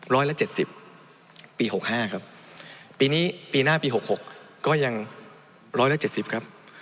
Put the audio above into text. ร้อยละ๗๐ปี๖๕ครับปีนี้ปีหน้าปี๖๖ก็ยังร้อยละ๗๐ครับ